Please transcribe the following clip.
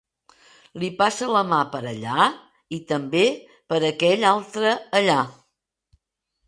Li passa la mà per allà i també per aquell altre allà.